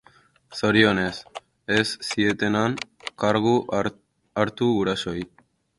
Zorionez, ez zietenan kargu hartu gurasoei.